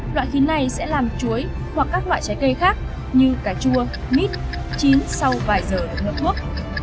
loại khí này sẽ làm chuối hoặc các loại trái cây khác như cà chua mít chín sau vài giờ được mua thuốc